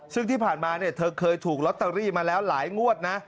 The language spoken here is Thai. ซึ่งที่ผ่านมาเธอเคยถูกลอตเตอรี่มาแล้วหลายงวดนะ